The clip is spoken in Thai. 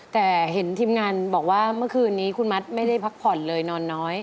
แต่เห็นทีมงานบอกว่าเมื่อคืนนี้คุณมัดไม่ได้พักผ่อนเลยนอนน้อย